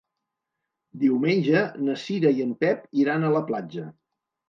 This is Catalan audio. Diumenge na Cira i en Pep iran a la platja.